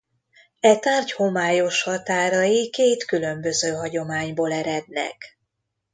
E tárgy homályos határai két különböző hagyományból erednek.